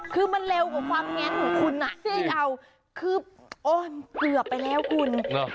คือมันเร็วกว่าความแง่งของคุณคือเผื่อไปแล้วคุณ